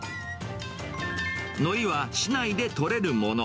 のりは市内で取れるもの。